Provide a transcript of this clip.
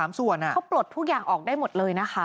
ส่วนเขาปลดทุกอย่างออกได้หมดเลยนะคะ